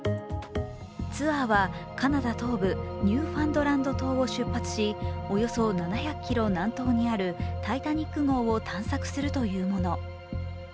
ツアーはカナダ東部、ニューファンドランド島を出発しおよそ７００ｋｍ南東にある「タイタニック」号を探索するというもの。